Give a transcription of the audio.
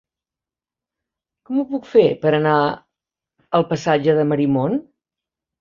Com ho puc fer per anar al passatge de Marimon?